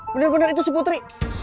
bener bener itu si putri